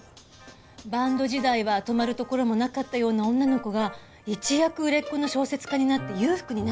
バンド時代は泊まるところもなかったような女の子が一躍売れっ子の小説家になって裕福になった。